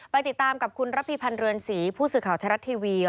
ไปติดตามกับคุณระพีพันธ์เรือนศรีผู้สื่อข่าวไทยรัฐทีวี